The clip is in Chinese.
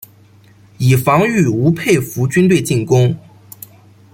以防御吴佩孚军队进攻。